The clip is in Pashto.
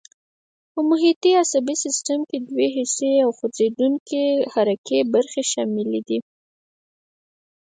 په محیطي عصبي سیستم کې دوې حسي او خوځېدونکي حرکي برخې شاملې دي.